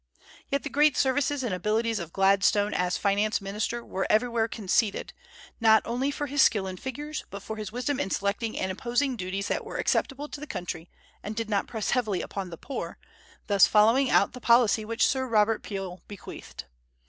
Yet the great services and abilities of Gladstone as finance minister were everywhere conceded, not only for his skill in figures but for his wisdom in selecting and imposing duties that were acceptable to the country and did not press heavily upon the poor, thus following out the policy which Sir Robert Peel bequeathed.